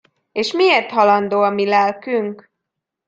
És miért halandó a mi lelkünk?